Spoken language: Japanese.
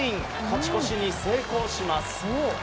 勝ち越しに成功します。